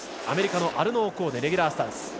アメリカのアルノー・ゴーデレギュラースタンス。